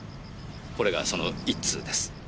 これがその１通です。